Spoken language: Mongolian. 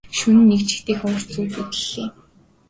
Шөнө нь нэг жигтэйхэн урт зүүд зүүдэллээ.